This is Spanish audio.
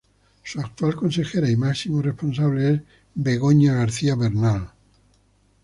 Su actual consejera y máximo responsable es Begoña García Bernal.